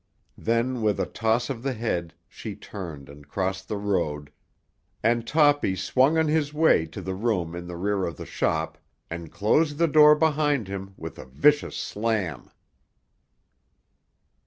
Then with a toss of the head she turned and crossed the road, and Toppy swung on his way to the room in the rear of the shop and closed the door behind him with a vicious slam.